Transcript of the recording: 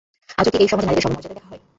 আজও কি এই সমাজে নারীদের সমমর্যাদায় দেখা হয়?